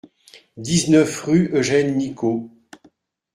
dix-neuf rue Eugène Nicot